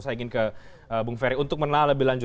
saya ingin ke bang ferry untuk menelan